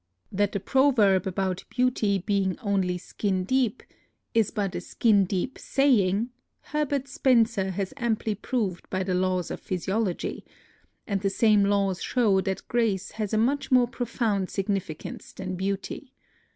That the proverb about beauty being only skin deep " is but a skin deep saying" Herbert Spencer has amply proved by the laws of physiology; and the same laws show that grace has a much more profound significance than beauty.